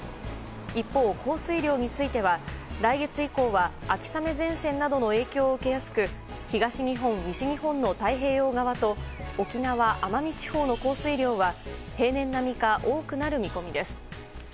一方、降水量については来月以降は秋雨前線などの影響を受けやすく東日本、西日本の太平洋側と沖縄、奄美地方の降水量は平年並みか、多くなる見込みです。